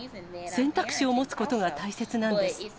選択肢を持つことが大切なんです。